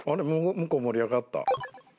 向こう盛り上がった。